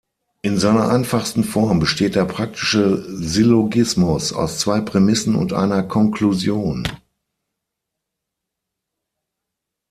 In seiner einfachsten Form besteht der praktische Syllogismus aus zwei Prämissen und einer Konklusion.